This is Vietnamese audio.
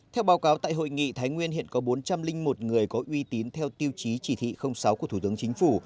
theo báo cáo tại hội nghị thái nguyên hiện có bốn trăm linh một người có uy tín theo tiêu chí chỉ thị sáu của thủ tướng chính phủ